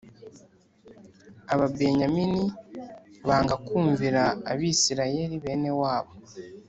Ababenyamini banga kumvira Abisirayeli bene wabo